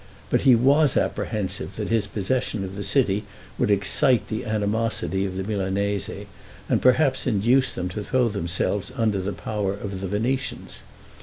But he was apprehensive that his possession of the city would excite the animosity of the Milanese, and perhaps induce them to throw themselves under the power of the Venetians.